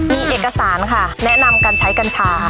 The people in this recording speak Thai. มีเอกสารค่ะแนะนำการใช้กัญชา